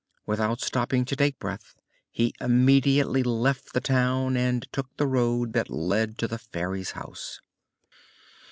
Without stopping to take breath he immediately left the town and took the road that led to the Fairy's house.